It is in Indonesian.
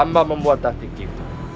amba membuat tati kip